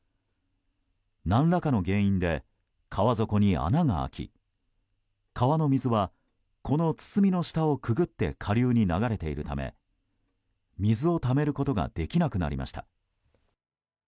何らかの原因で川底に穴が開き川の水は、この堤の下をくぐって下流に流れているため水をためることができなくなりました。